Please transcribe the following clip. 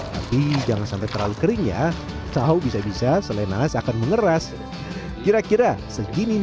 tapi jangan sampai terlalu kering ya tahu bisa bisa selain nanas akan mengeras kira kira segini